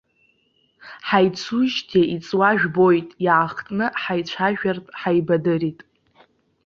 Ҳаицуижьҭеи иҵуа жәбоит, иаахтны ҳаицәажәартә ҳаибадырит.